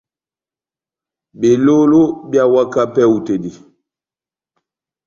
Belóló beháwaka pɛhɛ hú tɛ́h dí.